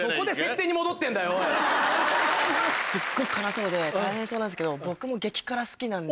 すっごい辛そうで大変そうなんですけど僕も激辛好きなんで。